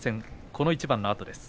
この一番のあとです。